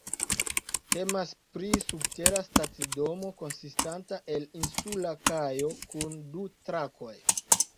Temas pri subtera stacidomo konsistanta el insula kajo kun du trakoj.